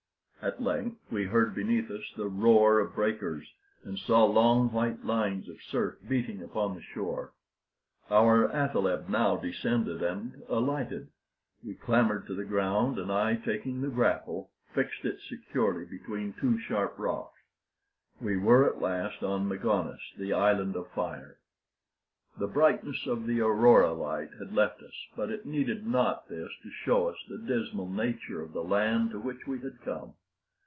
At length we heard beneath us the roar of breakers, and saw long white lines of surf beating upon the shore. Our athaleb now descended and alighted; we clambered to the ground, and I, taking the grapple, fixed it securely between two sharp rocks. We were at last on Magones, the Island of Fire. The brightness of the aurora light had left us, but it needed not this to show us the dismal nature of the land to which we had come.